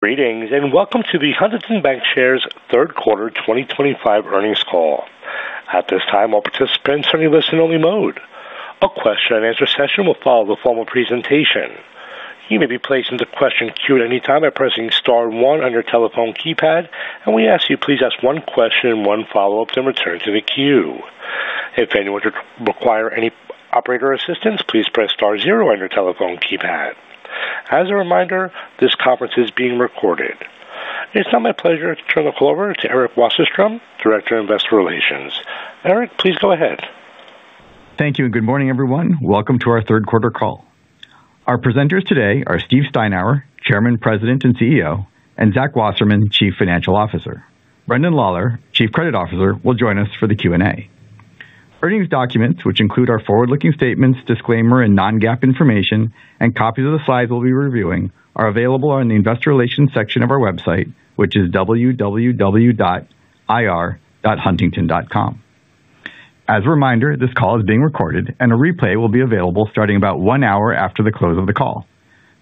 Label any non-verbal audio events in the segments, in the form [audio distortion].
Greetings and welcome to the Huntington Bancshares Third Quarter 2025 Earnings Call. At this time, all participants are in a listen-only mode. A question and answer session will follow the formal presentation. You may be placed into the question queue at any time by pressing star one on your telephone keypad, and we ask you to please ask one question and one follow-up, then return to the queue. If anyone should require any operator assistance, please press star zero on your telephone keypad. As a reminder, this conference is being recorded. It's now my pleasure to turn the call over to Eric Wasserstrom, Director of Investor Relations. Eric, please go ahead. Thank you and good morning, everyone. Welcome to our Third Quarter Call. Our presenters today are Steve Steinour, Chairman, President and CEO, and Zach Wasserman, Chief Financial Officer. Brendan Lawlor, Chief Credit Officer, will join us for the Q&A. Earnings documents, which include our forward-looking statements, disclaimer, and non-GAAP information, and copies of the slides we'll be reviewing, are available on the Investor Relations section of our website, which is www.ir.huntington.com. As a reminder, this call is being recorded, and a replay will be available starting about one hour after the close of the call.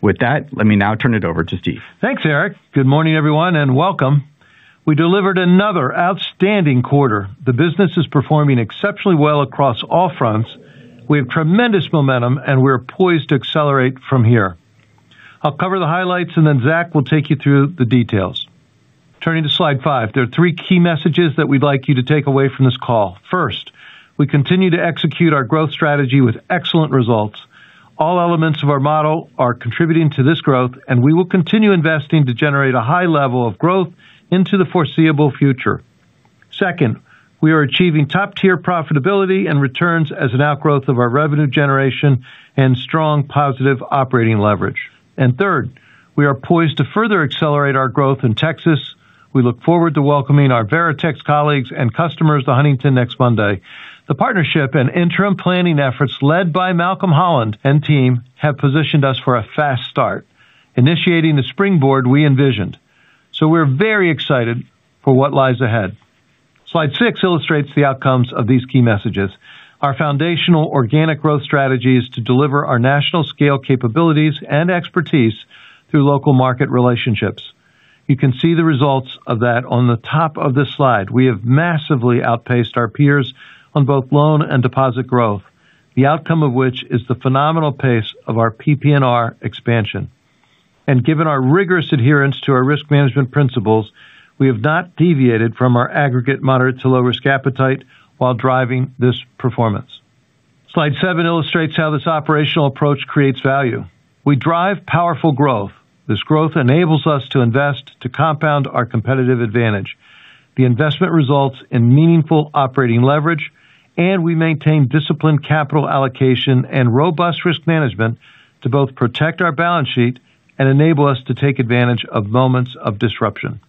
With that, let me now turn it over to Steve. Thanks, Eric. Good morning, everyone, and welcome. We delivered another outstanding quarter. The business is performing exceptionally well across all fronts. We have tremendous momentum, and we're poised to accelerate from here. I'll cover the highlights, and then Zach will take you through the details. Turning to slide five, there are three key messages that we'd like you to take away from this call. First, we continue to execute our growth strategy with excellent results. All elements of our model are contributing to this growth, and we will continue investing to generate a high level of growth into the foreseeable future. Second, we are achieving top-tier profitability and returns as an outgrowth of our revenue generation and strong positive operating leverage. Third, we are poised to further accelerate our growth in Texas. We look forward to welcoming our Veritechs colleagues and customers to Huntington next Monday. The partnership and interim planning efforts led by Malcolm Holland and team have positioned us for a fast start, initiating the springboard we envisioned. We're very excited for what lies ahead. Slide six illustrates the outcomes of these key messages. Our foundational organic growth strategy is to deliver our national scale capabilities and expertise through local market relationships. You can see the results of that on the top of the slide. We have massively outpaced our peers on both loan and deposit growth, the outcome of which is the phenomenal pace of our PP&R expansion. Given our rigorous adherence to our risk management principles, we have not deviated from our aggregate moderate to low risk appetite while driving this performance. Slide seven illustrates how this operational approach creates value. We drive powerful growth. This growth enables us to invest to compound our competitive advantage. The investment results in meaningful operating leverage, and we maintain disciplined capital allocation and robust risk management to both protect our balance sheet and enable us to take advantage of moments of disruption.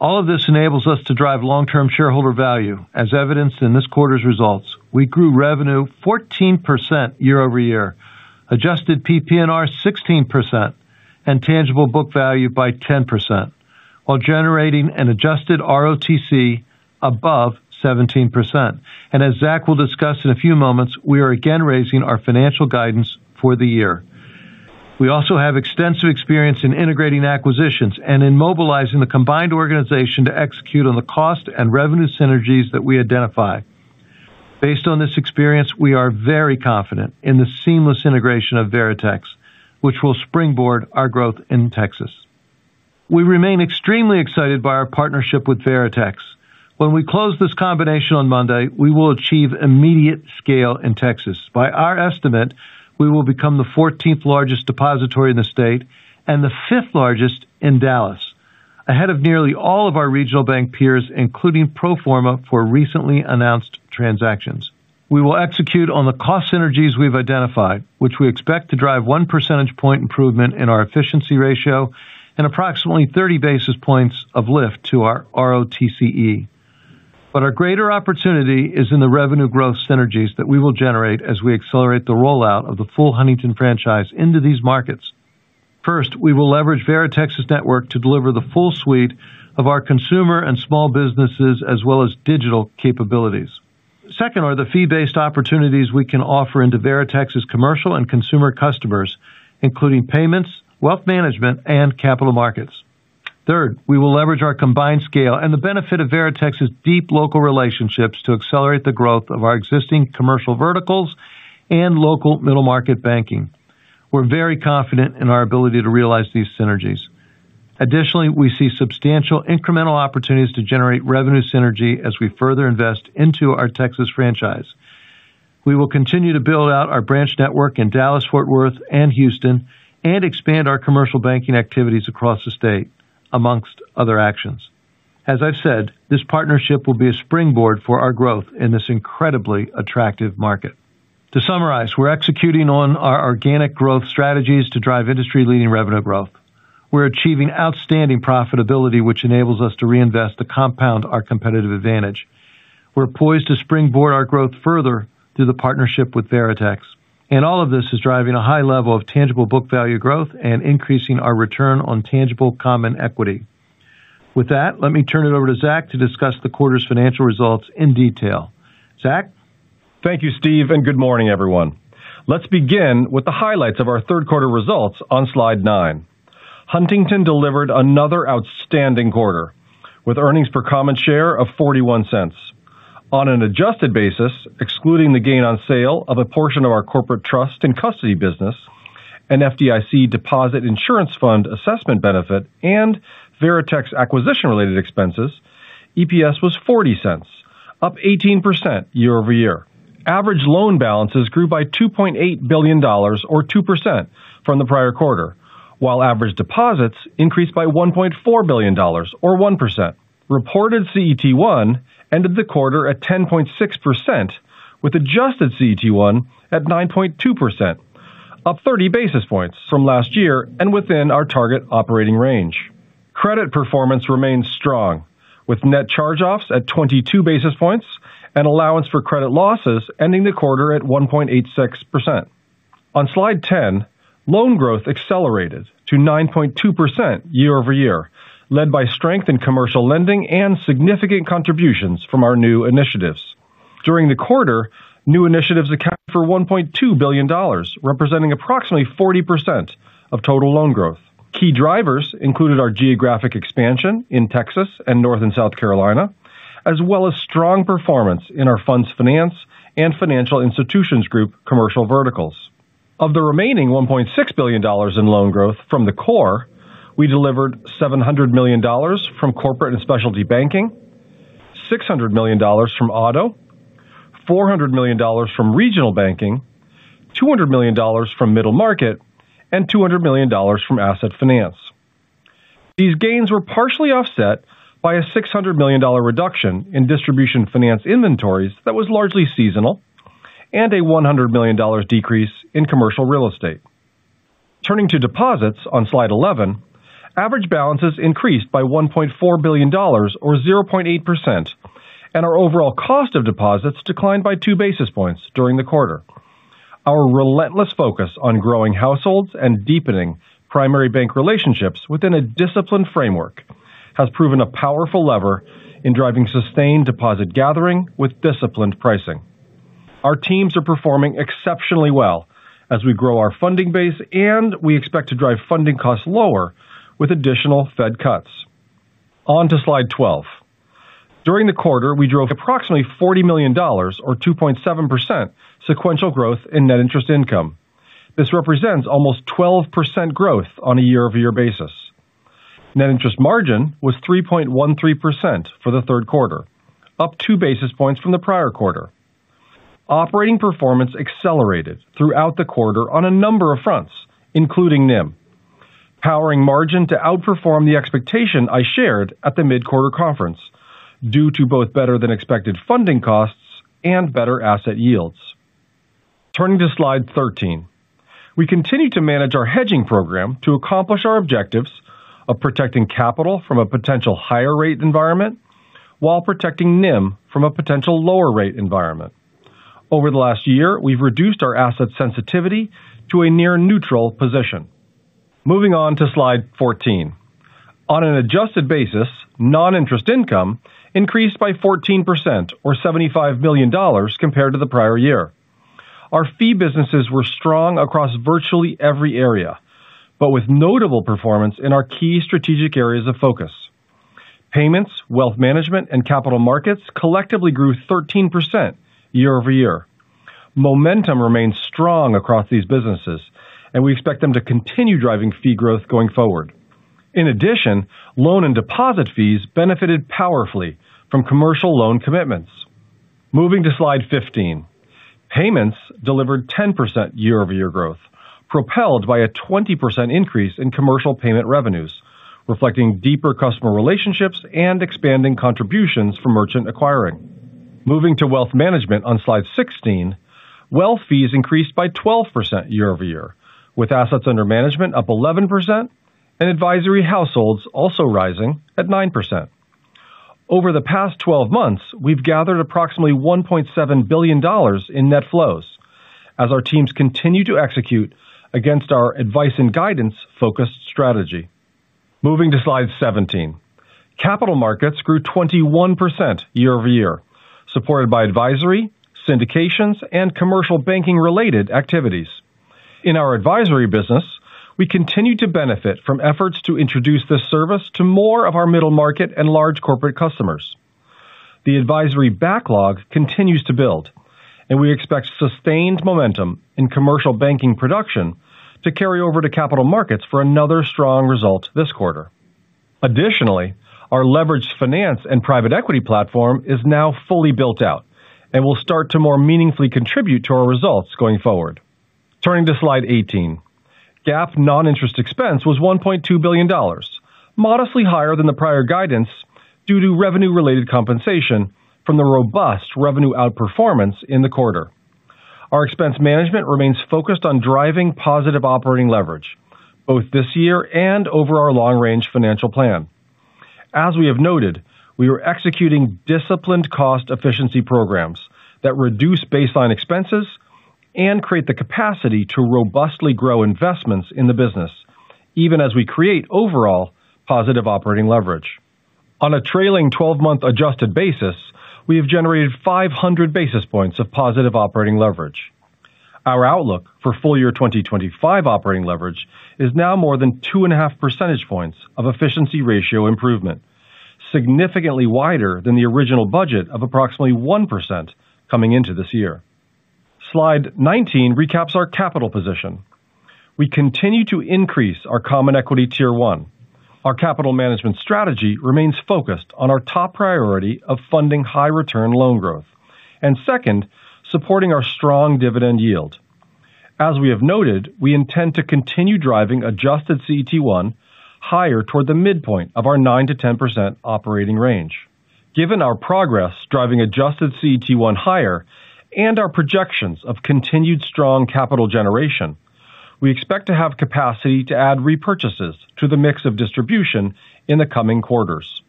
All of this enables us to drive long-term shareholder value, as evidenced in this quarter's results. We grew revenue 14% year-over-year, adjusted PP&R 16%, and tangible book value by 10%, while generating an adjusted ROTCE above 17%. As Zach will discuss in a few moments, we are again raising our financial guidance for the year. We also have extensive experience in integrating acquisitions and in mobilizing the combined organization to execute on the cost and revenue synergies that we identify. Based on this experience, we are very confident in the seamless integration of Veritechs, which will springboard our growth in Texas. We remain extremely excited by our partnership with Veritechs. When we close this combination on Monday, we will achieve immediate scale in Texas. By our estimate, we will become the 14th largest depository in the state and the fifth largest in Dallas, ahead of nearly all of our regional bank peers, including pro forma for recently announced transactions. We will execute on the cost synergies we've identified, which we expect to drive 1% improvement in our efficiency ratio and approximately 30 basis points of lift to our ROTCE. Our greater opportunity is in the revenue growth synergies that we will generate as we accelerate the rollout of the full Huntington franchise into these markets. First, we will leverage Veritechs' network to deliver the full suite of our consumer and small businesses, as well as digital capabilities. Second, are the fee-based opportunities we can offer into Veritechs' commercial and consumer customers, including payments, wealth management, and capital markets. Third, we will leverage our combined scale and the benefit of Veritechs' deep local relationships to accelerate the growth of our existing commercial verticals and local middle market banking. We're very confident in our ability to realize these synergies. Additionally, we see substantial incremental opportunities to generate revenue synergy as we further invest into our Texas franchise. We will continue to build out our branch network in Dallas, Fort Worth, and Houston, and expand our commercial banking activities across the state, amongst other actions. As I've said, this partnership will be a springboard for our growth in this incredibly attractive market. To summarize, we're executing on our organic growth strategies to drive industry-leading revenue growth. We're achieving outstanding profitability, which enables us to reinvest to compound our competitive advantage. We're poised to springboard our growth further through the partnership with Veritechs. All of this is driving a high level of tangible book value growth and increasing our return on tangible common equity. With that, let me turn it over to Zach to discuss the quarter's financial results in detail. Zach? Thank you, Steve, and good morning, everyone. Let's begin with the highlights of our third quarter results on slide nine. Huntington delivered another outstanding quarter with earnings per common share of $0.41. On an adjusted basis, excluding the gain on sale of a portion of our corporate trust and custody business, an FDIC deposit insurance fund assessment benefit, and Veritechs' acquisition-related expenses, EPS was $0.40, up 18% year-over-year. Average loan balances grew by $2.8 billion, or 2% from the prior quarter, while average deposits increased by $1.4 billion, or 1%. Reported CET1 ended the quarter at 10.6%, with adjusted CET1 at 9.2%, up 30 basis points from last year and within our target operating range. Credit performance remains strong, with net charge-offs at 22 basis points and allowance for credit losses ending the quarter at 1.86%. On slide ten, loan growth accelerated to 9.2% year-over-year, led by strength in commercial lending and significant contributions from our new initiatives. During the quarter, new initiatives accounted for $1.2 billion, representing approximately 40% of total loan growth. Key drivers included our geographic expansion in Texas and North and South Carolina, as well as strong performance in our funds finance and financial institutions group commercial verticals. Of the remaining $1.6 billion in loan growth from the core, we delivered $700 million from corporate and specialty banking, $600 million from auto, $400 million from regional banking, $200 million from middle market, and $200 million from asset finance. These gains were partially offset by a $600 million reduction in distribution finance inventories that was largely seasonal and a $100 million decrease in commercial real estate. Turning to deposits on slide 11, average balances increased by $1.4 billion, or 0.8%, and our overall cost of deposits declined by two basis points during the quarter. Our relentless focus on growing households and deepening primary bank relationships within a disciplined framework has proven a powerful lever in driving sustained deposit gathering with disciplined pricing. Our teams are performing exceptionally well as we grow our funding base, and we expect to drive funding costs lower with additional Fed cuts. On to slide 12. During the quarter, we drove approximately $40 million, or 2.7% sequential growth in net interest income. This represents almost 12% growth on a year-over-year basis. Net interest margin was 3.13% for the third quarter, up two basis points from the prior quarter. Operating performance accelerated throughout the quarter on a number of fronts, including NIM, powering margin to outperform the expectation I shared at the mid-quarter conference due to both better-than-expected funding costs and better asset yields. Turning to slide 13, we continue to manage our hedging program to accomplish our objectives of protecting capital from a potential higher-rate environment while protecting NIM from a potential lower-rate environment. Over the last year, we've reduced our asset sensitivity to a near-neutral position. Moving on to slide 14. On an adjusted basis, non-interest income increased by 14%, or $75 million compared to the prior year. Our fee businesses were strong across virtually every area, but with notable performance in our key strategic areas of focus. Payments, wealth management, and capital markets collectively grew 13% year-over-year. Momentum remains strong across these businesses, and we expect them to continue driving fee growth going forward. In addition, loan and deposit fees benefited powerfully from commercial loan commitments. Moving to slide 15, payments delivered 10% year-over-year growth, propelled by a 20% increase in commercial payment revenues, reflecting deeper customer relationships and expanding contributions for merchant acquiring. Moving to wealth management on slide 16, wealth fees increased by 12% year-over-year, with assets under management up 11% and advisory households also rising at 9%. Over the past 12 months, we've gathered approximately $1.7 billion in net flows as our teams continue to execute against our advice and guidance-focused strategy. Moving to slide 17, capital markets grew 21% year-over-year, supported by advisory, syndications, and commercial banking-related activities. In our advisory business, we continue to benefit from efforts to introduce this service to more of our middle market and large corporate customers. The advisory backlog continues to build, and we expect sustained momentum in commercial banking production to carry over to capital markets for another strong result this quarter. Additionally, our leveraged finance and private equity platform is now fully built out and will start to more meaningfully contribute to our results going forward. Turning to slide 18, GAAP non-interest expense was $1.2 billion, modestly higher than the prior guidance due to revenue-related compensation from the robust revenue outperformance in the quarter. Our expense management remains focused on driving positive operating leverage both this year and over our long-range financial plan. As we have noted, we are executing disciplined cost efficiency programs that reduce baseline expenses and create the capacity to robustly grow investments in the business, even as we create overall positive operating leverage. On a trailing 12-month adjusted basis, we have generated 500 basis points of positive operating leverage. Our outlook for full-year 2025 operating leverage is now more than 2.5% of efficiency ratio improvement, significantly wider than the original budget of approximately 1% coming into this year. Slide 19 recaps our capital position. We continue to increase our common equity tier one. Our capital management strategy remains focused on our top priority of funding high-return loan growth and, second, supporting our strong dividend yield. As we have noted, we intend to continue driving adjusted CET1 higher toward the midpoint of our 9%-10% operating range. Given our progress driving adjusted CET1 higher and our projections of continued strong capital generation, we expect to have capacity to add repurchases to the mix of distribution in the coming quarters.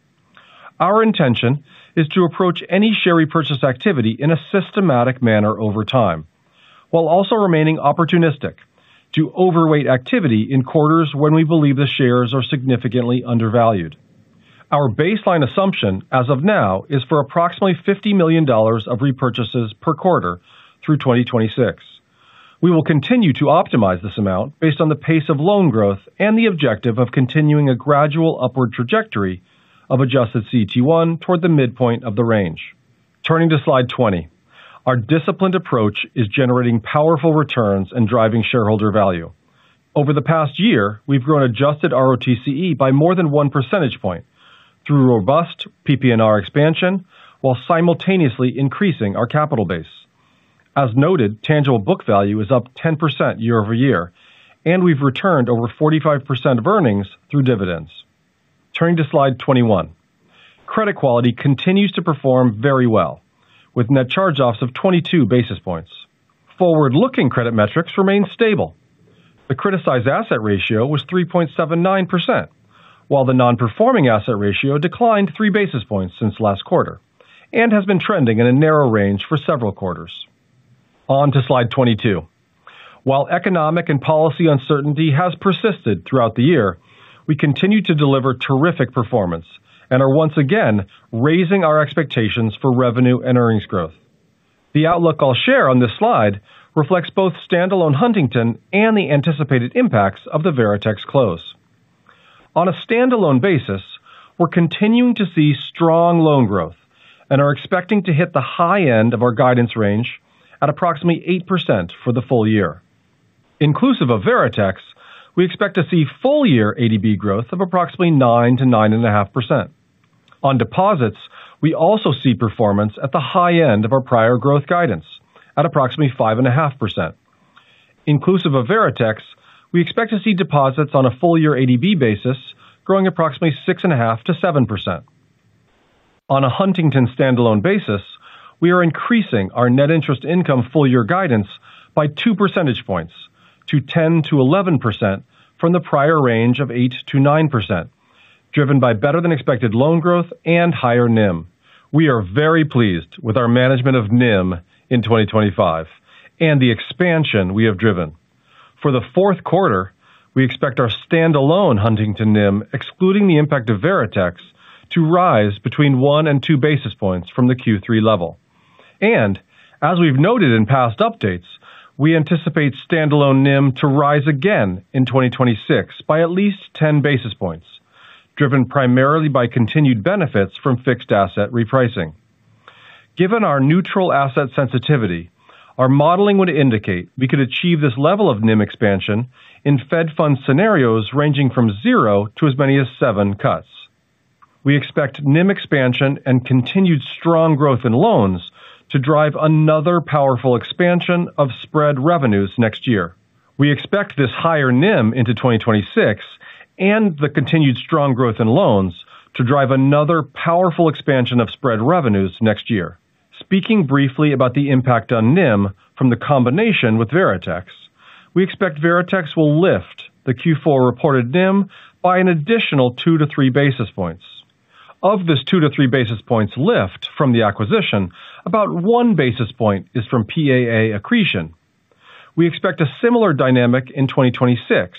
Our intention is to approach any share repurchase activity in a systematic manner over time, while also remaining opportunistic to overweight activity in quarters when we believe the shares are significantly undervalued. Our baseline assumption as of now is for approximately $50 million of repurchases per quarter through 2026. We will continue to optimize this amount based on the pace of loan growth and the objective of continuing a gradual upward trajectory of adjusted CET1 toward the midpoint of the range. Turning to slide 20, our disciplined approach is generating powerful returns and driving shareholder value. Over the past year, we've grown adjusted ROTCE by more than one percentage point through robust PP&R expansion, while simultaneously increasing our capital base. As noted, tangible book value is up 10% year-over-year, and we've returned over 45% of earnings through dividends. Turning to slide 21, credit quality continues to perform very well, with net charge-offs of 22 basis points. Forward-looking credit metrics remain stable. The criticized asset ratio was 3.79%, while the non-performing asset ratio declined three basis points since last quarter and has been trending in a narrow range for several quarters. On to slide 22, while economic and policy uncertainty has persisted throughout the year, we continue to deliver terrific performance and are once again raising our expectations for revenue and earnings growth. The outlook I'll share on this slide reflects both standalone Huntington and the anticipated impacts of the Veritechs close. On a standalone basis, we're continuing to see strong loan growth and are expecting to hit the high end of our guidance range at approximately 8% for the full year. Inclusive of Veritechs, we expect to see full-year ADB growth of approximately 9%-9.5%. On deposits, we also see performance at the high end of our prior growth guidance at approximately 5.5%. Inclusive of Veritechs, we expect to see deposits on a full-year ADB basis growing approximately 6.5%-7%. On a Huntington standalone basis, we are increasing our net interest income full-year guidance by two percentage points to 10%-11% from the prior range of 8%-9%, driven by better-than-expected loan growth and higher NIM. We are very pleased with our management of NIM in 2025 and the expansion we have driven. For the fourth quarter, we expect our standalone Huntington NIM, excluding the impact of Veritechs, to rise between one and two basis points from the Q3 level. As we've noted in past updates, we anticipate standalone NIM to rise again in 2026 by at least 10 basis points, driven primarily by continued benefits from fixed asset repricing. Given our neutral asset sensitivity, our modeling would indicate we could achieve this level of NIM expansion in Fed funds scenarios ranging from zero to as many as seven cuts. We expect NIM expansion and continued strong growth in loans to drive another powerful expansion of spread revenues next year. We expect this higher NIM into 2026 and the continued strong growth in loans to drive another powerful expansion of spread revenues next year. Speaking briefly about the impact on NIM from the combination with Veritechs, we expect Veritechs will lift the Q4 reported NIM by an additional two to three basis points. Of this two to three basis points lift from the acquisition, about one basis point is from PAA accretion. We expect a similar dynamic in 2026,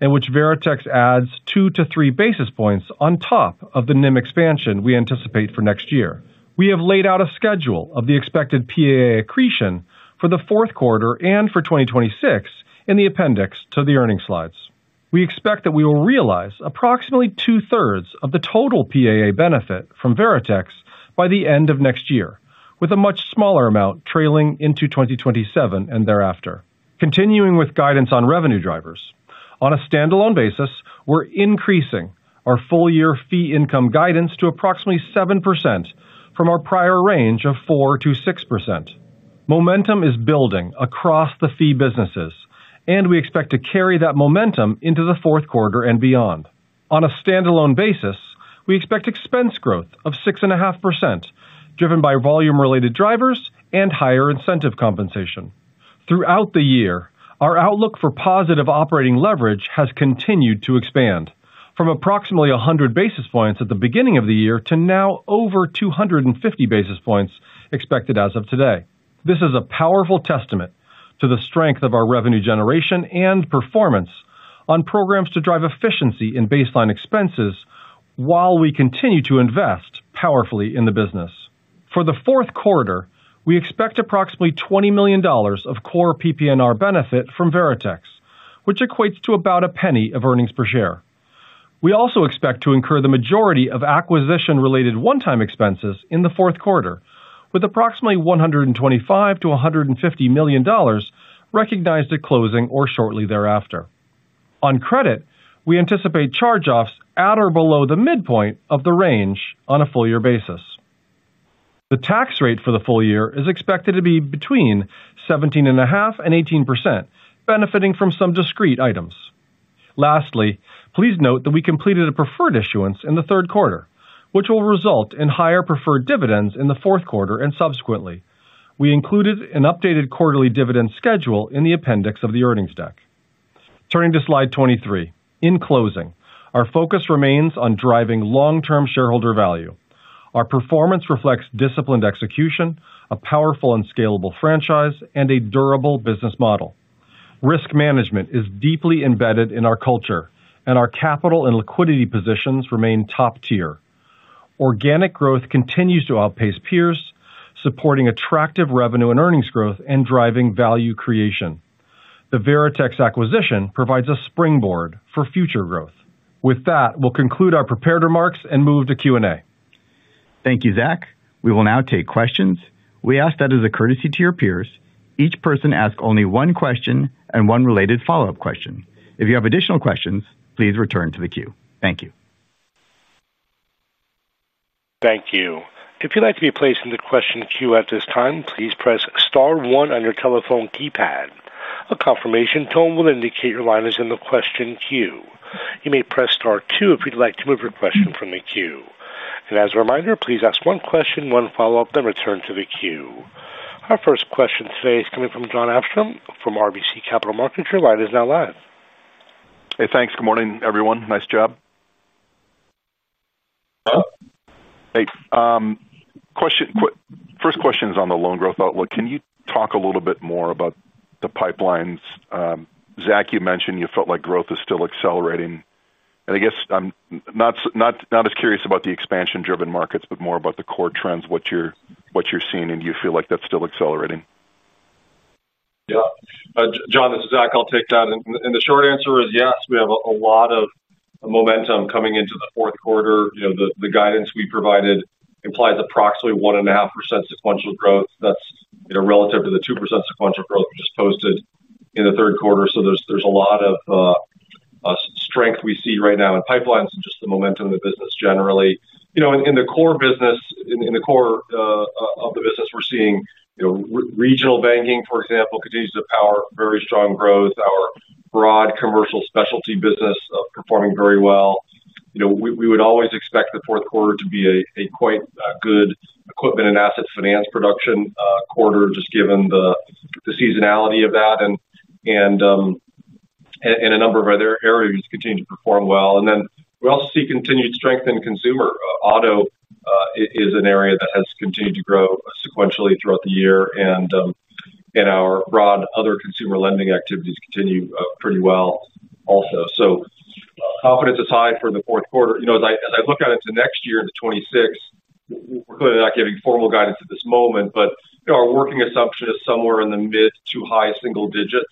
in which Veritechs adds two to three basis points on top of the NIM expansion we anticipate for next year. We have laid out a schedule of the expected PAA accretion for the fourth quarter and for 2026 in the appendix to the earnings slides. We expect that we will realize approximately 2/3 of the total PAA benefit from Veritechs by the end of next year, with a much smaller amount trailing into 2027 and thereafter. Continuing with guidance on revenue drivers, on a standalone basis, we're increasing our full-year fee income guidance to approximately 7% from our prior range of 4%-6%. Momentum is building across the fee businesses, and we expect to carry that momentum into the fourth quarter and beyond. On a standalone basis, we expect expense growth of 6.5%, driven by volume-related drivers and higher incentive compensation. Throughout the year, our outlook for positive operating leverage has continued to expand from approximately 100 basis points at the beginning of the year to now over 250 basis points expected as of today. This is a powerful testament to the strength of our revenue generation and performance on programs to drive efficiency in baseline expenses while we continue to invest powerfully in the business. For the fourth quarter, we expect approximately $20 million of core PP&R benefit from Veritechs, which equates to about a penny of earnings per share. We also expect to incur the majority of acquisition-related one-time expenses in the fourth quarter, with approximately $125 million-$150 million recognized at closing or shortly thereafter. On credit, we anticipate charge-offs at or below the midpoint of the range on a full-year basis. The tax rate for the full year is expected to be between 17.5% and 18%, benefiting from some discrete items. Lastly, please note that we completed a preferred issuance in the third quarter, which will result in higher preferred dividends in the fourth quarter and subsequently. We included an updated quarterly dividend schedule in the appendix of the earnings deck. Turning to slide 23, in closing, our focus remains on driving long-term shareholder value. Our performance reflects disciplined execution, a powerful and scalable franchise, and a durable business model. Risk management is deeply embedded in our culture, and our capital and liquidity positions remain top tier. Organic growth continues to outpace peers, supporting attractive revenue and earnings growth and driving value creation. The Veritechs acquisition provides a springboard for future growth. With that, we'll conclude our prepared remarks and move to Q&A. Thank you, Zach. We will now take questions. We ask that, as a courtesy to your peers, each person ask only one question and one related follow-up question. If you have additional questions, please return to the queue. Thank you. Thank you. If you'd like to be placed in the question queue at this time, please press star one on your telephone keypad. A confirmation tone will indicate your line is in the question queue. You may press star two if you'd like to move your question from the queue. As a reminder, please ask one question, one follow-up, then return to the queue. Our first question today is coming from Jon Arfstrom from RBC Capital Markets. Your line is now live. Hey, thanks. Good morning, everyone. Nice job. Hello. Hey, quick question. First question is on the loan growth outlook. Can you talk a little bit more about the pipelines? Zach, you mentioned you felt like growth is still accelerating. I'm not as curious about the expansion-driven markets, but more about the core trends, what you're seeing, and do you feel like that's still accelerating? Yeah. Jon, this is Zach. I'll take that. The short answer is yes. We have a lot of momentum coming into the fourth quarter. The guidance we provided implies approximately 1.5% sequential growth. That's relative to the 2% sequential growth we just posted in the third quarter. There's a lot of strength we see right now in pipelines and just the momentum in the business generally. In the core business, in the core of the business, we're seeing regional banking, for example, continues to power very strong growth. Our broad commercial specialty business is performing very well. We would always expect the fourth quarter to be a quite good equipment and assets finance production quarter, just given the seasonality of that, and a number of other areas continue to perform well. We also see continued strength in consumer. Auto is an area that has continued to grow sequentially throughout the year, and our broad other consumer lending activities continue pretty well also. Confidence is high for the fourth quarter. As I look out into next year, into 2026, we're clearly not giving formal guidance at this moment, but our working assumption is somewhere in the mid to high single digits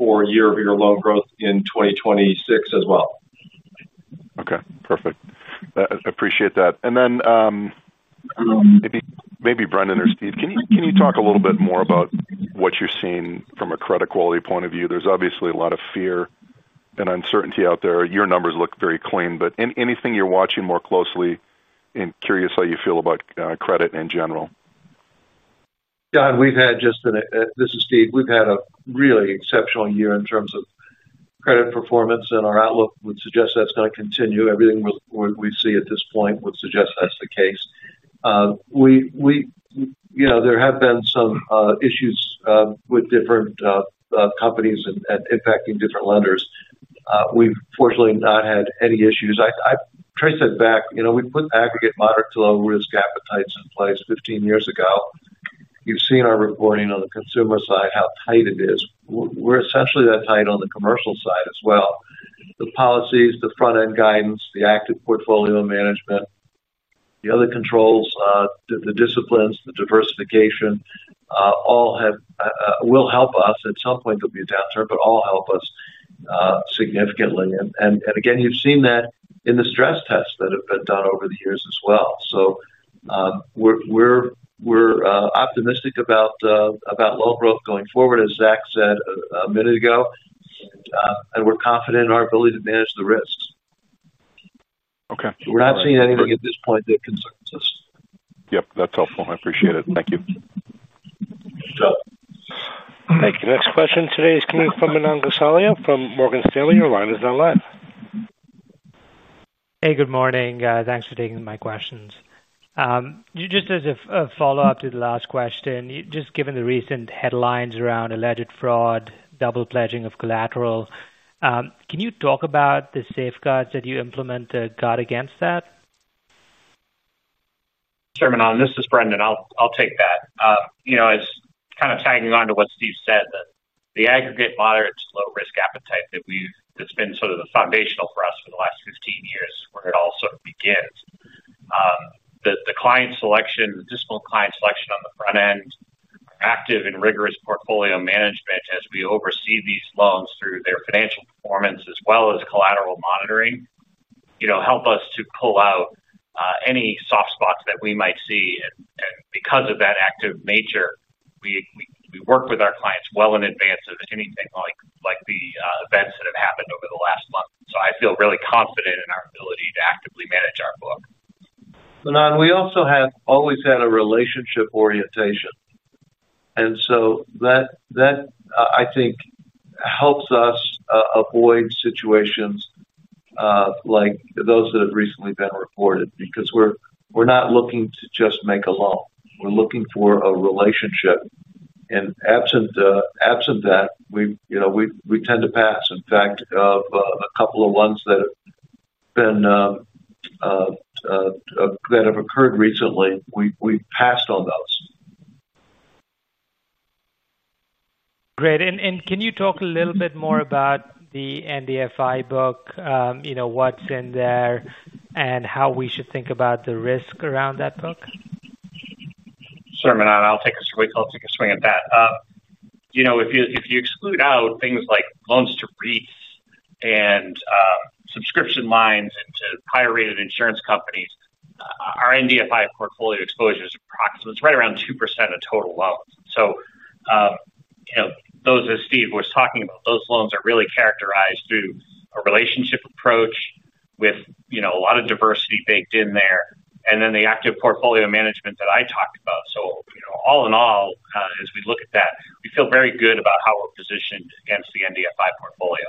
for year-over-year loan growth in 2026 as well. Okay, perfect. I appreciate that. Maybe Brendan or Steve, can you talk a little bit more about what you're seeing from a credit quality point of view? There's obviously a lot of fear and uncertainty out there. Your numbers look very clean, but anything you're watching more closely and curious how you feel about credit in general? Yeah, and we've had just an exceptional year in terms of credit performance, and our outlook would suggest that's going to continue. Everything we see at this point would suggest that's the case. You know, there have been some issues with different companies and impacting different lenders. We've fortunately not had any issues. I trace that back. You know, we put aggregate moderate to low risk appetites in place 15 years ago. You've seen our reporting on the consumer side, how tight it is. We're essentially that tight on the commercial side as well. The policies, the front-end guidance, the active portfolio management, the other controls, the disciplines, the diversification all will help us. At some point, there'll be a downturn, but all help us significantly. You've seen that in the stress tests that have been done over the years as well. We're optimistic about loan growth going forward, as Zach said a minute ago, and we're confident in our ability to manage the risks. Okay. We're not seeing anything at this point that concerns us. Yep, that's helpful. I appreciate it. Thank you. Sure. Thank you. Next question today is coming from Manan Gosalia from Morgan Stanley. Your line is now live. Hey, good morning. Thanks for taking my questions. Just as a follow-up to the last question, given the recent headlines around alleged fraud, double pledging of collateral, can you talk about the safeguards that you implement to guard against that? Chairman, this is Brendan. I'll take that. You know, as kind of tagging on to what Steve said, the aggregate moderate to low risk appetite that we've, that's been sort of the foundational for us for the last 15 years where it all sort of begins. The client selection, the discipline client selection on the front end, active and rigorous portfolio management as we oversee these loans through their financial performance as well as collateral monitoring, help us to pull out any soft spots that we might see. Because of that active nature, we work with our clients well in advance of anything like the events that have happened over the last month. I feel really confident in our ability to actively manage our book. Manan, we also have always had a relationship orientation. I think that helps us avoid situations like those that have recently been reported because we're not looking to just make a loan. We're looking for a relationship. Absent that, we tend to pass. In fact, a couple of ones that have occurred recently, we've passed on those. Great. Can you talk a little bit more about the NDFI book, you know, what's in there and how we should think about the risk around that book? Chairman, I'll take a swing at that. If you exclude out things like loans to REITs and subscription lines and to higher rated insurance companies, our NDFI portfolio exposure is approximately—it's right around 2% of total loans. Those that Steve was talking about, those loans are really characterized through a relationship approach with a lot of diversity baked in there, and the active portfolio management that I talked about. All in all, as we look at that, we feel very good about how we're positioned against the NDFI portfolio.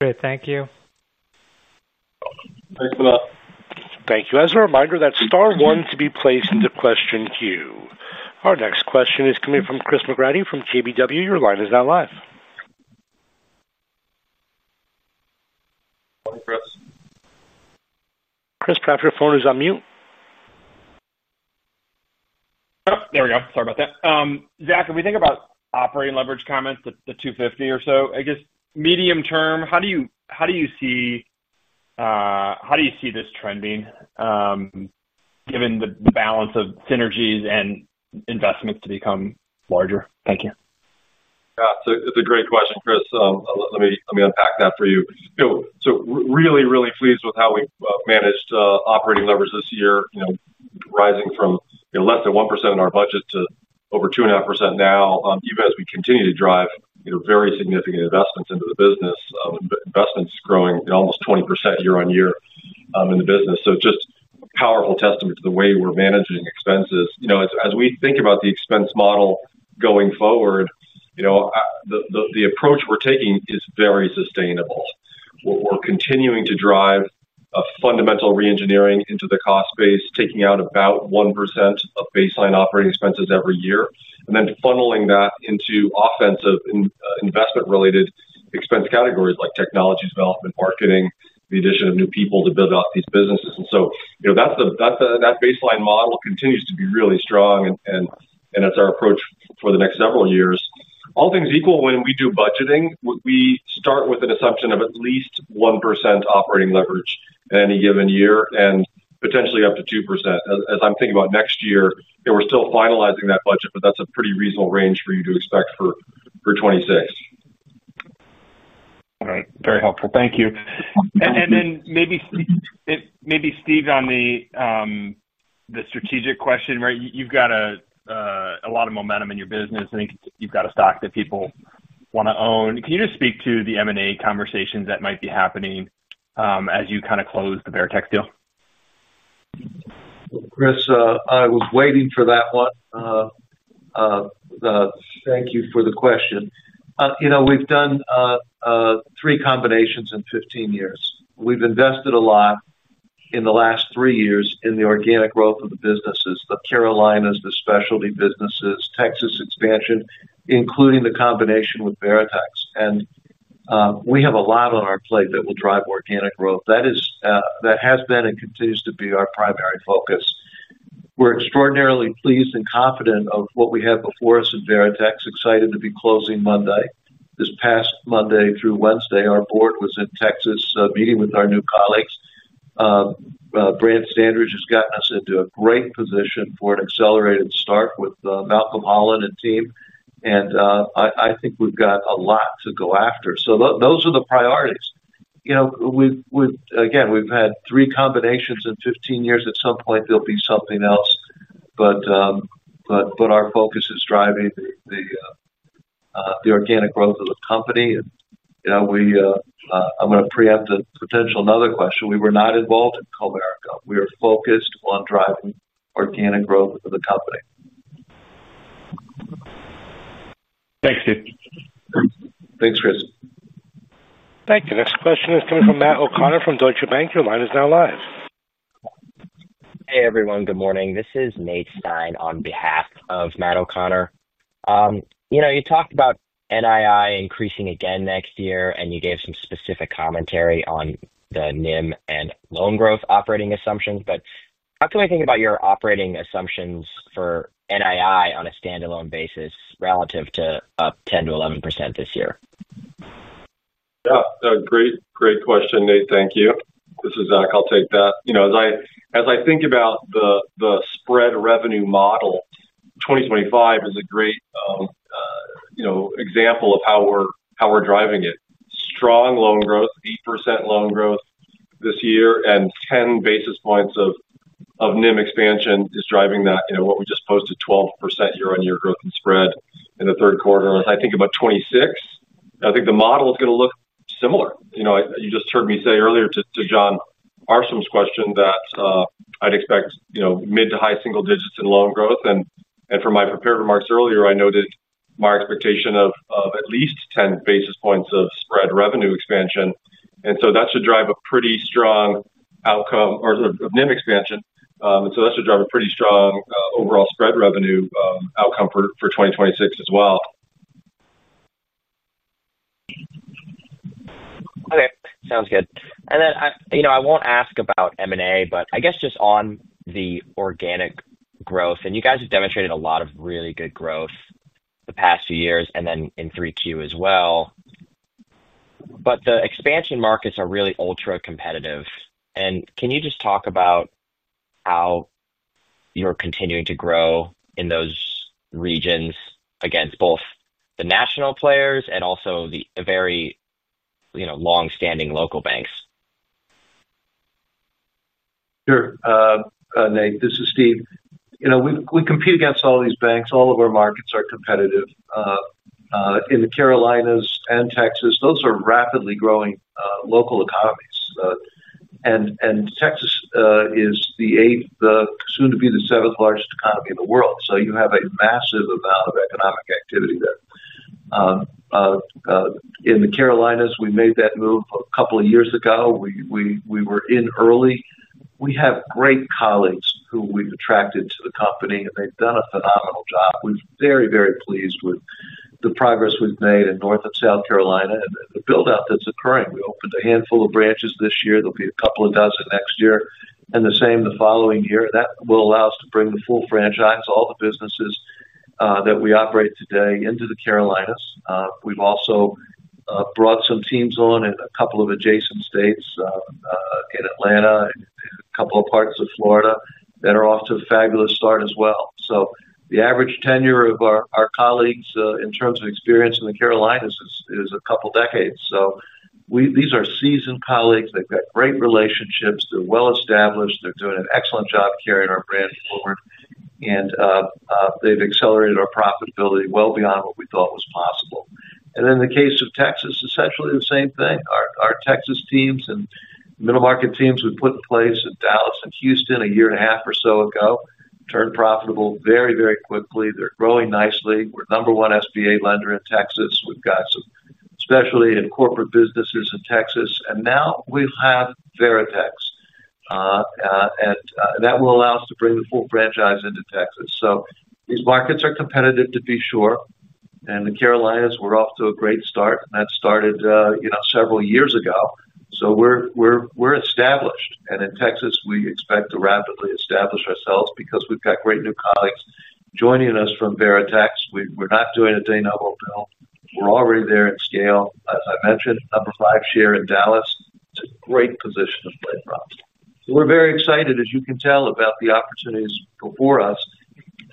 Great. Thank you. Thanks for that. Thank you. As a reminder, that's star one to be placed into question queue. Our next question is coming from Chris McGratty from KBW. Your line is now live. Chris, perhaps your phone is on mute. Yep, there we go. Sorry about that. Zach, if we think about operating leverage comments, the 250 or so, I guess, medium term, how do you see this trending given the balance of synergies and investments to become larger? Thank you. Yeah, it's a great question, Chris. Let me unpack that for you. Really, really pleased with how we've managed operating leverage this year, rising from less than 1% in our budget to over 2.5% now, even as we continue to drive very significant investments into the business, investments growing almost 20% year on year in the business. It's just a powerful testament to the way we're managing expenses. As we think about the expense model going forward, the approach we're taking is very sustainable. We're continuing to drive a fundamental re-engineering into the cost space, taking out about 1% of baseline operating expenses every year, and then funneling that into offensive investment-related expense categories like technology development, marketing, the addition of new people to build out these businesses. That baseline model continues to be really strong, and that's our approach for the next several years. All things equal, when we do budgeting, we start with an assumption of at least 1% operating leverage in any given year and potentially up to 2%. As I'm thinking about next year, we're still finalizing that budget, but that's a pretty reasonable range for you to expect for 2026. All right. Very helpful. Thank you. Maybe Steve, on the strategic question, right? You've got a lot of momentum in your business. I think you've got a stock that people want to own. Can you just speak to the M&A conversations that might be happening as you kind of close the Veritechs deal? Chris, I was waiting for that one. Thank you for the question. We've done three combinations in 15 years. We've invested a lot in the last three years in the organic growth of the businesses, the Carolinas, the specialty businesses, Texas expansion, including the combination with Veritechs. We have a lot on our plate that will drive organic growth. That has been and continues to be our primary focus. We're extraordinarily pleased and confident of what we have before us in Veritechs, excited to be closing Monday. This past Monday through Wednesday, our board was in Texas meeting with our new colleagues. Brant Standridge has gotten us into a great position for an accelerated start with Malcolm Holland and team. I think we've got a lot to go after. Those are the priorities. Again, we've had three combinations in 15 years. At some point, there'll be something else. Our focus is driving the organic growth of the company. I'm going to preempt the potential another question. We were not involved in. [audio distortion] We are focused on driving organic growth for the company. Thanks, Steve. Thanks, Chris. Thank you. Next question is coming from Matt O'Connor from Deutsche Bank. Your line is now live. Hey, everyone. Good morning. This is Nate Stein on behalf of Matt O'Connor. You talked about NII increasing again next year, and you gave some specific commentary on the NIM and loan growth operating assumptions. How can we think about your operating assumptions for NII on a standalone basis relative to up 10%-11% this year? Yeah, great question, Nate. Thank you. This is Zach. I'll take that. You know, as I think about the spread revenue model, 2025 is a great example of how we're driving it. Strong loan growth, 8% loan growth this year, and 10 basis points of NIM expansion is driving that. You know, we just posted 12% year-on-year growth in spread in the third quarter, which was, I think, about 2026. I think the model is going to look similar. You just heard me say earlier to Jon Arfstrom's question that I'd expect mid to high single digits in loan growth. From my prepared remarks earlier, I noted my expectation of at least 10 basis points of spread revenue expansion. That should drive a pretty strong outcome or NIM expansion. That should drive a pretty strong overall spread revenue outcome for 2026 as well. Okay, sounds good. I won't ask about M&A, but I guess just on the organic growth, you guys have demonstrated a lot of really good growth the past few years and then in 3Q as well. The expansion markets are really ultra competitive. Can you just talk about how you're continuing to grow in those regions against both the national players and also the very long-standing local banks? Sure. Nate, this is Steve. You know, we compete against all these banks. All of our markets are competitive. In the Carolinas and Texas, those are rapidly growing local economies. Texas is the eighth, soon to be the seventh largest economy in the world. You have a massive amount of economic activity there. In the Carolinas, we made that move a couple of years ago. We were in early. We have great colleagues who we've attracted to the company, and they've done a phenomenal job. We're very, very pleased with the progress we've made in North and South Carolina and the build-out that's occurring. We opened a handful of branches this year. There'll be a couple of dozen next year and the same the following year. That will allow us to bring the full franchise, all the businesses that we operate today, into the Carolinas. We've also brought some teams on in a couple of adjacent states in Atlanta and a couple of parts of Florida that are off to a fabulous start as well. The average tenure of our colleagues in terms of experience in the Carolinas is a couple of decades. These are seasoned colleagues. They've got great relationships. They're well-established. They're doing an excellent job carrying our brand forward. They've accelerated our profitability well beyond what we thought was possible. In the case of Texas, essentially the same thing. Our Texas teams and middle market teams we put in place in Dallas and Houston a year and a half or so ago turned profitable very, very quickly. They're growing nicely. We're number one SBA lender in Texas. We've got some specialty and corporate businesses in Texas. Now we have Veritechs. That will allow us to bring the full franchise into Texas. These markets are competitive to be sure. In the Carolinas, we're off to a great start. That started several years ago. We're established. In Texas, we expect to rapidly establish ourselves because we've got great new colleagues joining us from Veritechs. We're not doing a de novo build. We're already there in scale. As I mentioned, number five share in Dallas. It's a great position to play from. We're very excited, as you can tell, about the opportunities before us.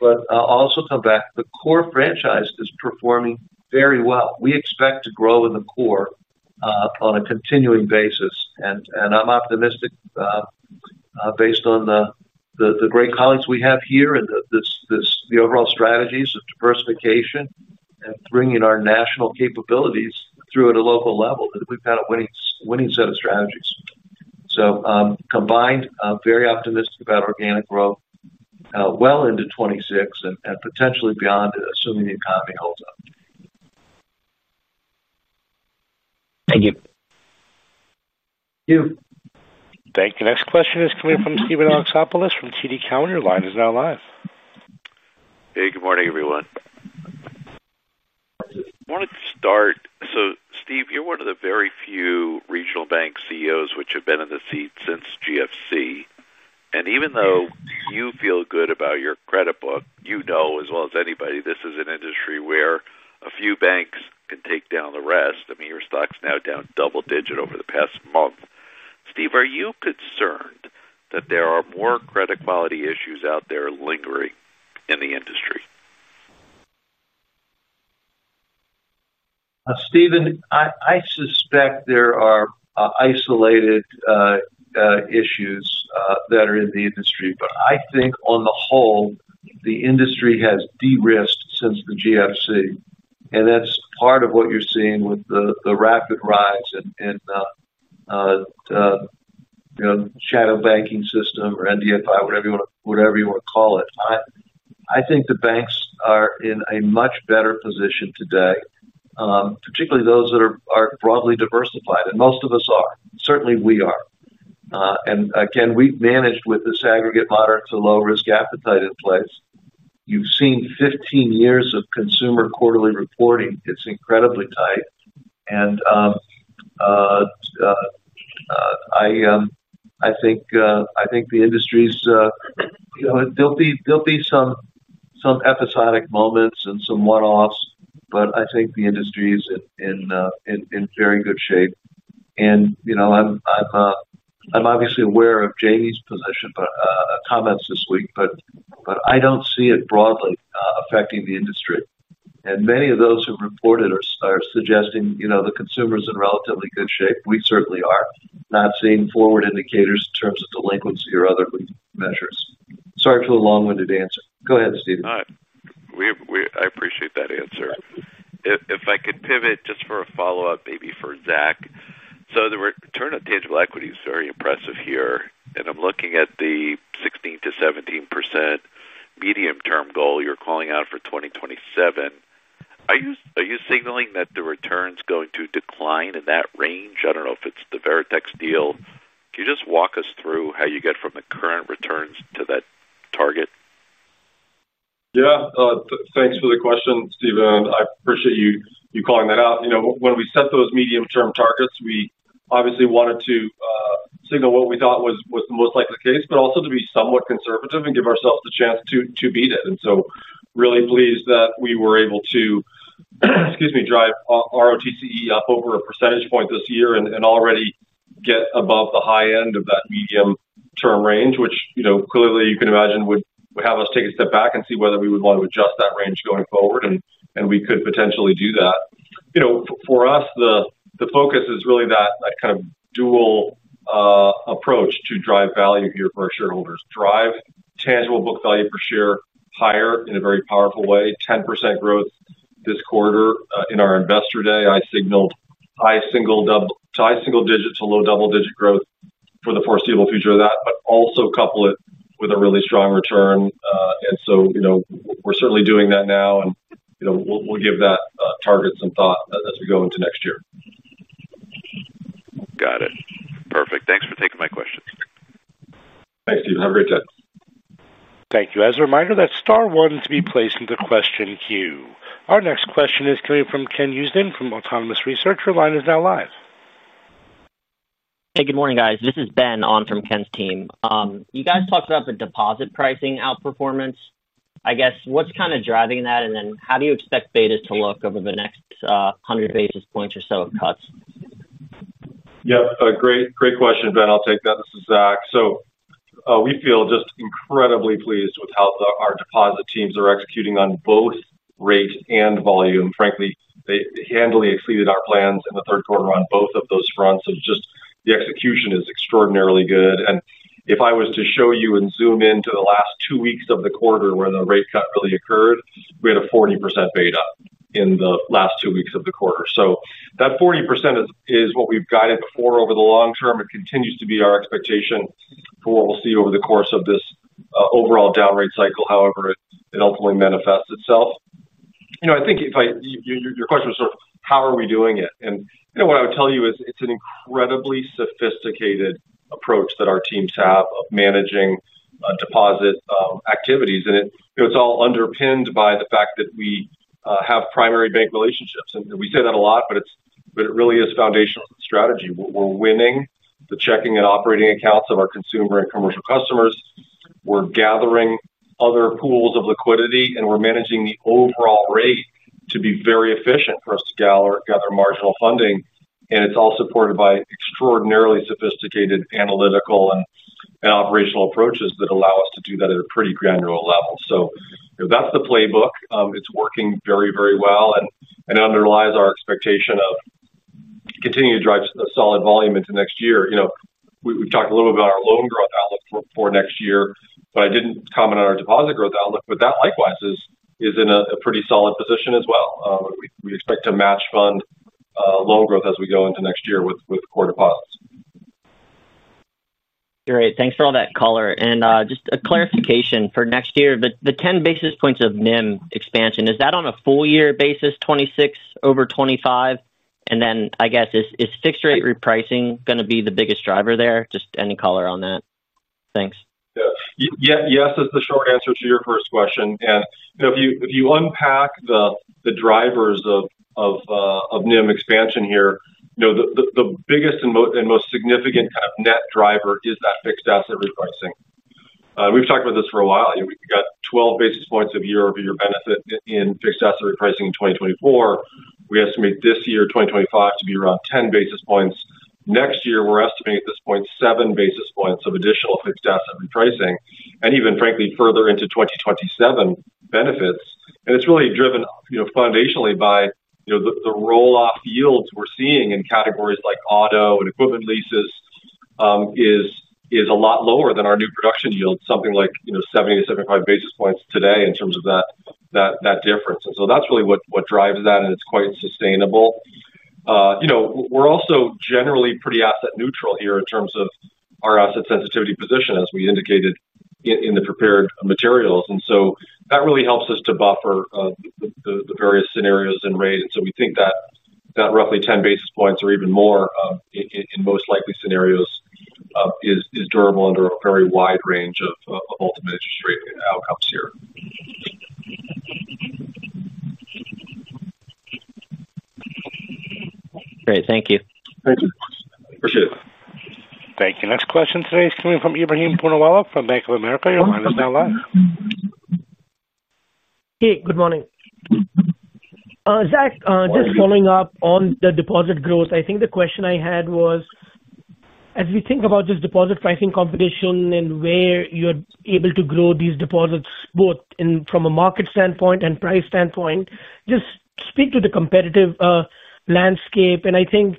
I'll also come back. The core franchise is performing very well. We expect to grow in the core on a continuing basis. I'm optimistic based on the great colleagues we have here and the overall strategies of diversification and bringing our national capabilities through at a local level that we've got a winning set of strategies. Combined, I'm very optimistic about organic growth well into 2026 and potentially beyond, assuming the economy holds up. Thank you. Thank you. Thank you. Next question is coming from Steven Alexopoulos from TD Cowen. Your line is now live. Hey, good morning, everyone. I wanted to start. Steve, you're one of the very few regional bank CEOs which have been in the seat since the GFC. Even though you feel good about your credit book, you know as well as anybody this is an industry where a few banks can take down the rest. Your stock's now down double digits over the past month. Steve, are you concerned that there are more credit quality issues out there lingering in the industry? Steven, I suspect there are isolated issues that are in the industry. I think on the whole, the industry has de-risked since the GFC. That is part of what you're seeing with the rapid rise in the shadow banking system or NDFI, whatever you want to call it. I think the banks are in a much better position today, particularly those that are broadly diversified. Most of us are. Certainly, we are. We've managed with this aggregate moderate to low risk appetite in place. You've seen 15 years of consumer quarterly reporting. It's incredibly tight. I think the industry's, you know, there'll be some episodic moments and some one-offs, but I think the industry is in very good shape. I'm obviously aware of Jamie's position comments this week, but I don't see it broadly affecting the industry. Many of those who have reported are suggesting the consumer is in relatively good shape. We certainly are. Not seeing forward indicators in terms of delinquency or other measures. Sorry for a long-winded answer. Go ahead, Steve. All right. I appreciate that answer. If I could pivot just for a follow-up, maybe for Zach. The return on tangible equity is very impressive here. I'm looking at the 16%-17% medium-term goal you're calling out for 2027. Are you signaling that the return's going to decline in that range? I don't know if it's the Veritechs deal. Can you just walk us through how you get from the current returns to that target? Yeah, thanks for the question, Steven. I appreciate you calling that out. When we set those medium-term targets, we obviously wanted to signal what we thought was the most likely case, but also to be somewhat conservative and give ourselves the chance to beat it. Really pleased that we were able to drive ROTCE up over a percentage point this year and already get above the high end of that medium-term range, which, you know, clearly you can imagine would have us take a step back and see whether we would want to adjust that range going forward. We could potentially do that. For us, the focus is really that kind of dual approach to drive value here for our shareholders. Drive tangible book value per share higher in a very powerful way. 10% growth this quarter in our investor day. I signaled high single digits to low double digit growth for the foreseeable future of that, but also couple it with a really strong return. We're certainly doing that now. We'll give that target some thought as we go into next year. Got it. Perfect. Thanks for taking my questions. Thanks, Steve. Have a great day. Thank you. As a reminder, that's star one to be placed into question queue. Our next question is coming from Ken Huston from Autonomous Research. Your line is now live. Hey, good morning, guys. This is Ben on from Ken's team. You guys talked about the deposit pricing outperformance. I guess, what's kind of driving that? How do you expect beta to look over the next 100 basis points or so of cuts? Yeah, great question, Ben. I'll take that. This is Zach. We feel just incredibly pleased with how our deposit teams are executing on both rate and volume. Frankly, they handily exceeded our plans in the third quarter on both of those fronts. The execution is extraordinarily good. If I was to show you and zoom in to the last two weeks of the quarter where the rate cut really occurred, we had a 40% beta in the last two weeks of the quarter. That 40% is what we've guided before over the long term. It continues to be our expectation for what we'll see over the course of this overall downward cycle, however it ultimately manifests itself. I think your question was sort of how are we doing it? What I would tell you is it's an incredibly sophisticated approach that our teams have of managing deposit activities. It's all underpinned by the fact that we have primary bank relationships. We say that a lot, but it really is foundational to the strategy. We're winning the checking and operating accounts of our consumer and commercial customers. We're gathering other pools of liquidity, and we're managing the overall rate to be very efficient for us to gather marginal funding. It's all supported by extraordinarily sophisticated analytical and operational approaches that allow us to do that at a pretty granular level. That's the playbook. It's working very, very well. It underlies our expectation of continuing to drive a solid volume into next year. We've talked a little bit about our loan growth outlook for next year, but I didn't comment on our deposit growth outlook. That likewise is in a pretty solid position as well. We expect to match fund loan growth as we go into next year with core deposits. Great. Thanks for all that, caller. Just a clarification for next year, the 10 basis points of NIM expansion, is that on a full-year basis, 2026 over 2025? I guess is fixed rate repricing going to be the biggest driver there? Just any color on that? Thanks. Yes is the short answer to your first question. If you unpack the drivers of NIM expansion here, the biggest and most significant kind of net driver is that fixed asset repricing. We've talked about this for a while. We've got 12 basis points of year-over-year benefit in fixed asset repricing in 2024. We estimate this year, 2025, to be around 10 basis points. Next year, we're estimating at this point 7 basis points of additional fixed asset repricing and even frankly further into 2027 benefits. It's really driven foundationally by the roll-off yields we're seeing in categories like auto and equipment leases is a lot lower than our new production yield, something like 70-75 basis points today in terms of that difference. That's really what drives that, and it's quite sustainable. We're also generally pretty asset neutral here in terms of our asset sensitivity position, as we indicated in the prepared materials. That really helps us to buffer the various scenarios in rate. We think that roughly 10 basis points or even more in most likely scenarios is durable under a very wide range of ultimate interest rate outcomes here. Great. Thank you. Thank you. Appreciate it. Thank you. Next question today is coming from Ebrahim Poonawala from Bank of America. Your line is now live. Hey, good morning. Zach, just following up on the deposit growth, I think the question I had was, as we think about this deposit pricing competition and where you're able to grow these deposits both from a market standpoint and price standpoint, just speak to the competitive landscape. I think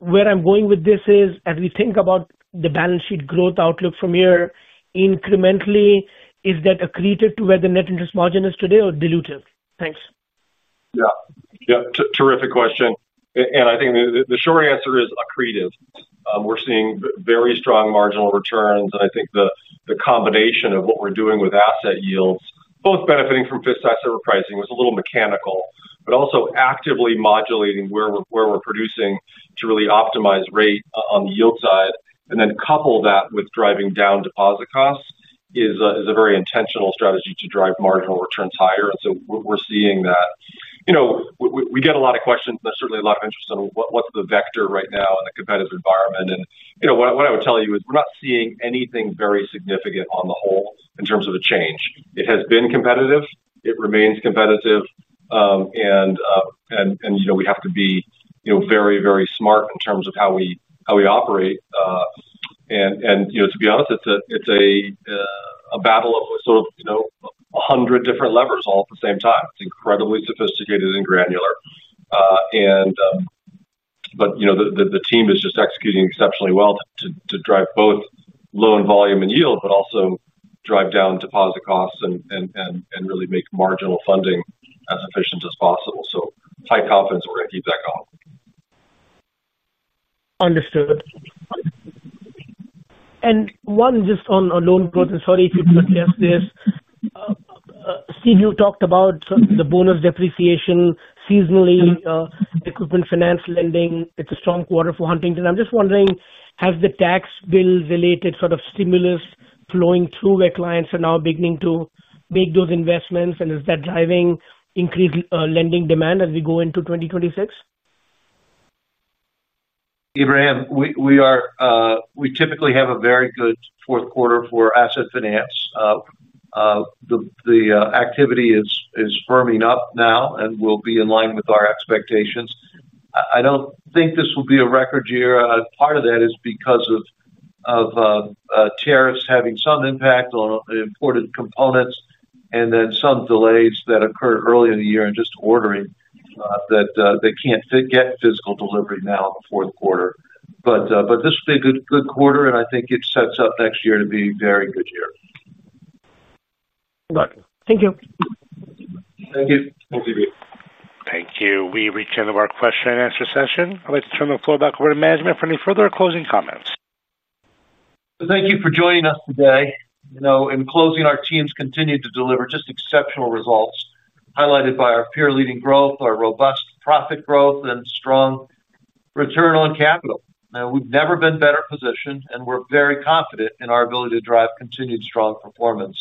where I'm going with this is, as we think about the balance sheet growth outlook from here, incrementally, is that accretive to where the net interest margin is today or dilutive? Thanks. Yeah, terrific question. I think the short answer is accretive. We're seeing very strong marginal returns. I think the combination of what we're doing with asset yields, both benefiting from fixed asset repricing, was a little mechanical, but also actively modulating where we're producing to really optimize rate on the yield side. Couple that with driving down deposit costs is a very intentional strategy to drive marginal returns higher. We're seeing that. We get a lot of questions, and there's certainly a lot of interest in what's the vector right now in the competitive environment. What I would tell you is we're not seeing anything very significant on the whole in terms of a change. It has been competitive. It remains competitive. We have to be very, very smart in terms of how we operate. To be honest, it's a battle of sort of 100 different levers all at the same time. It's incredibly sophisticated and granular. The team is just executing exceptionally well to drive both low in volume and yield, but also drive down deposit costs and really make marginal funding as efficient as possible. Tight confidence we're going to keep that going. Understood. One just on loan growth, sorry if you could address this. Steve, you talked about the bonus depreciation seasonally, equipment finance lending. It's a strong quarter for Huntington. I'm just wondering, has the tax bill-related sort of stimulus flowing through where clients are now beginning to make those investments? Is that driving increased lending demand as we go into 2026? Ebrahim, we typically have a very good fourth quarter for asset finance. The activity is firming up now and will be in line with our expectations. I don't think this will be a record year. Part of that is because of tariffs having some impact on imported components, and then some delays that occur early in the year and just ordering that they can't get physical delivery now in the fourth quarter. This will be a good quarter, and I think it sets up next year to be a very good year. Thank you. Thank you. Thank you. We return to our question and answer session. I'd like to turn the floor back over to management for any further closing comments. Thank you for joining us today. In closing, our teams continue to deliver just exceptional results highlighted by our peer leading growth, our robust profit growth, and strong return on capital. We've never been better positioned, and we're very confident in our ability to drive continued strong performance.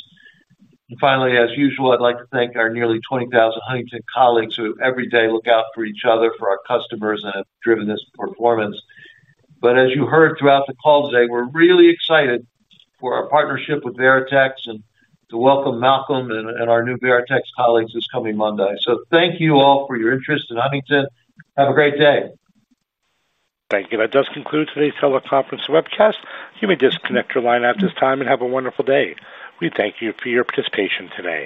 Finally, as usual, I'd like to thank our nearly 20,000 Huntington colleagues who every day look out for each other, for our customers, and have driven this performance. As you heard throughout the call today, we're really excited for our partnership with Veritechs and to welcome Malcolm and our new Veritechs colleagues this coming Monday. Thank you all for your interest in Huntington. Have a great day. Thank you. That does conclude today's teleconference webcast. You may disconnect your line at this time and have a wonderful day. We thank you for your participation today.